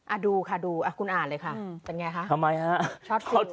ดูค่ะดูอ่ะคุณอ่านเลยค่ะเป็นไงคะทำไมฮะ